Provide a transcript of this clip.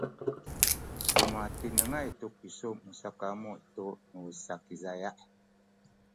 u matinengay tu kisu musakamu tunu Sakizaya